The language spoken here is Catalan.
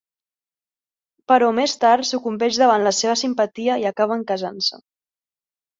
Però més tard sucumbeix davant la seva simpatia i acaben casant-se.